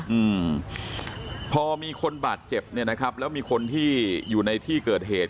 อืมพอมีคนบาดเจ็บแล้วมีคนที่อยู่ในที่เกิดเหตุ